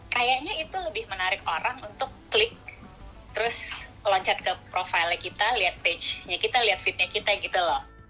kayaknya itu lebih menarik orang untuk klik terus loncat ke profilnya kita lihat page nya kita lihat feednya kita gitu loh